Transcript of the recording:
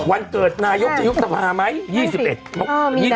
วันเกิดนายกจะยุบสภาไหม๒๑มก